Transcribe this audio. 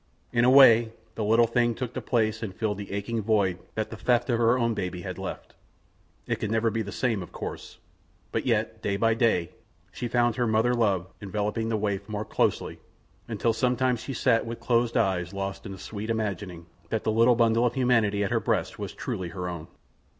In a way the little thing took the place and filled the aching void that the theft of her own baby had left. It could never be the same, of course, but yet, day by day, she found her mother love, enveloping the waif more closely until she sometimes sat with closed eyes lost in the sweet imagining that the little bundle of humanity at her breast was truly her own.